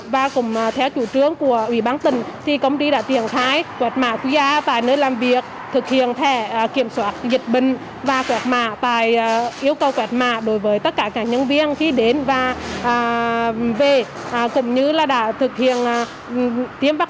và cũng theo chủ trướng của ủy ban tình thì công ty đã triển khai quạt mạng quý gia và nơi làm việc